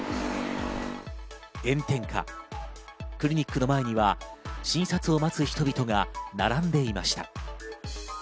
炎天下、クリニックの前には診察を待つ人々が並んでいました。